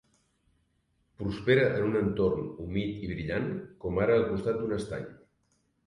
Prospera en un entorn humit i brillant, com ara al costat d'un estany.